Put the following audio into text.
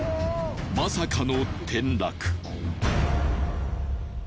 まさかの転落！